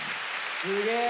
すげえ！